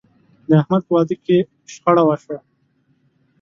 د احمد په واده کې شخړه وشوه.